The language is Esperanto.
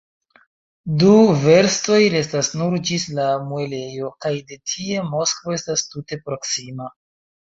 Du verstoj restas nur ĝis la muelejo, kaj de tie Moskvo estas tute proksima.